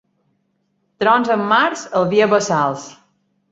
Trons en març, el vi a bassals.